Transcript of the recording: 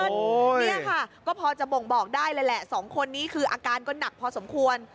นี่ค่ะก็พอจะบ่งบอกได้เลยแหละสองคนนี้คืออาการก็หนักพอสมควร